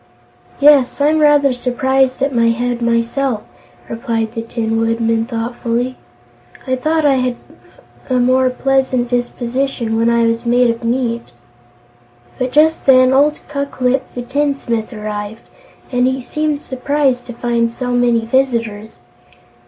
"Yes; I'm rather surprised at my head, myself," replied the Tin Woodman, thoughtfully. "I thought I had a more pleasant disposition when I was made of meat." But just then old Ku Klip the Tinsmith arrived, and he seemed surprised to find so many visitors.